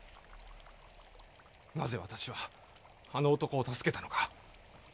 なぜ私はあの男を助けたのか。